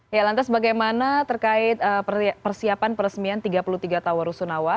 ya lantas bagaimana terkait persiapan peresmian tiga puluh tiga tower rusunawa